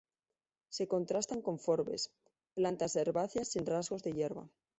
Se contrastan con forbes, Plantas herbáceas sin rasgos de hierba.